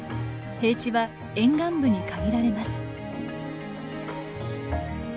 平地は沿岸部に限られます。